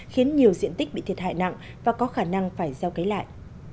khiến nhiều diện tích bị thiệt hại nặng và có khả năng phải gieo cấy lại